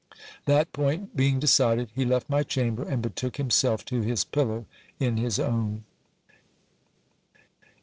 That point being decided, he left my chamber, and betook himself to his pillow in his own.